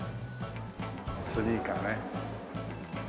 スニーカーね。